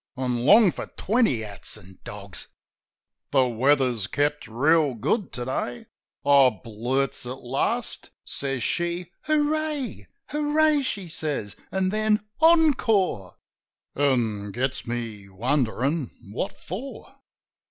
An' long for twenty hats an' dogs. "The weather's kept reel good to day," I blurts at last. Says she, "Hurray!" "Hurray!" she says, an' then, "Encore!" An' gets me wonderin' what for.